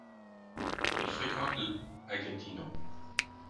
Il fréquente l' à Gatineau.